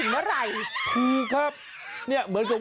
วิทยาลัยศาสตร์อัศวิทยาลัยศาสตร์